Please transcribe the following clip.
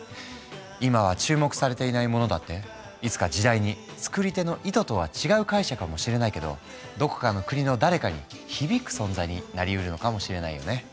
今は注目されていないものだっていつか時代に作り手の意図とは違う解釈かもしれないけどどこかの国の誰かに響く存在になりうるのかもしれないよね。